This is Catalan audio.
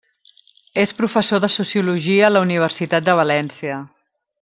És professor de sociologia a la Universitat de València.